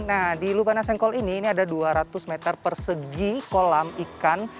nah di lubana sengkol ini ada dua ratus meter persegi kolam ikan